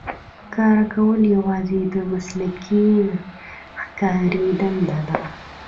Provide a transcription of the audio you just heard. ښکار کول یوازې د مسلکي ښکاري دنده ده.